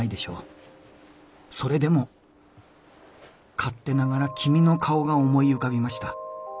それでも勝手ながら君の顔が思い浮かびました」。